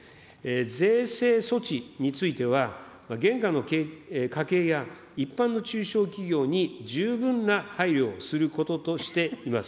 税制措置については、現下の家計や、一般の中小企業に十分な配慮をすることとしています。